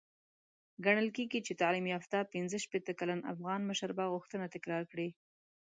ګڼل کېږي چې تعليم يافته پنځه شپېته کلن افغان مشر به غوښتنه تکرار کړي.